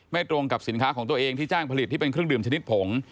ตรงกับสินค้าของตัวเองที่จ้างผลิตที่เป็นเครื่องดื่มชนิดผง